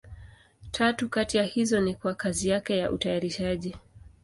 Tatu kati ya hizo ni kwa kazi yake ya utayarishaji.